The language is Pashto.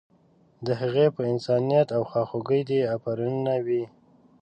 د هغې په انسانیت او خواخوږۍ دې افرینونه وي.